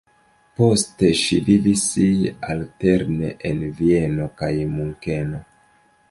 Poste ŝi vivis alterne en Vieno kaj Munkeno.